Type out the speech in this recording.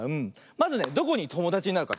まずねどこにともだちになるか。